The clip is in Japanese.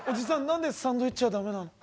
何でサンドイッチは駄目なの？